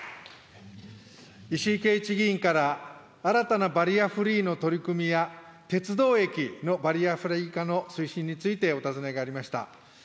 石井啓一議員から、新たなバリアフリーの取り組みや、鉄道駅のバリアフリー化の推進についてお尋ねがありました。